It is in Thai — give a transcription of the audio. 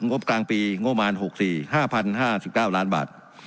งบกลางปีงโมน๖๔๕๕๙ล้านบาท